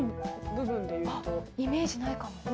イメージないかも。